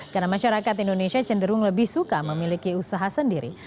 karena masyarakat indonesia cenderung lebih suka memiliki usaha sendiri